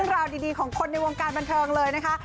ราวดีของคนในวงการบันเทิงเลยนะคะ